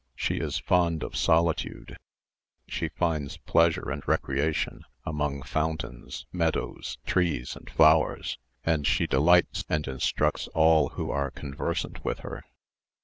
She is fond of solitude; she finds pleasure and recreation among fountains, meadows, trees, and flowers; and she delights and instructs all who are conversant with her."